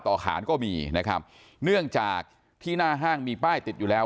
ขานก็มีนะครับเนื่องจากที่หน้าห้างมีป้ายติดอยู่แล้ว